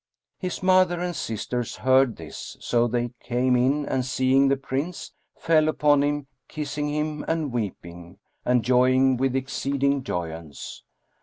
His mother and sisters heard this; so they came in and seeing the Prince, fell upon him, kissing him and weeping, and joying with exceeding joyance.